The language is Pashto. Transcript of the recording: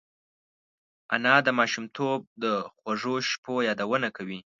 انا د ماشومتوب د خوږو شپو یادونه کوي